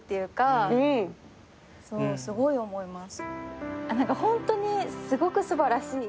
すごい思います。